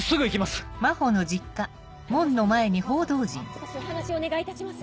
・・少しお話お願いいたします